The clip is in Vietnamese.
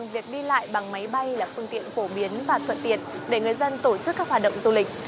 việc đi lại bằng máy bay là phương tiện phổ biến và thuận tiện để người dân tổ chức các hoạt động du lịch